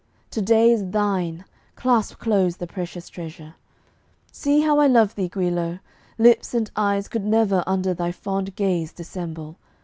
To day is thine; clasp close the precious treasure. See how I love thee, Guilo! Lips and eyes Could never under thy fond gaze dissemble.